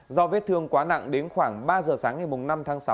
do vết thương quá nặng đến khoảng ba giờ sáng ngày năm tháng sáu